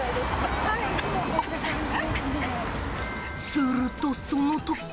すると、そのとき。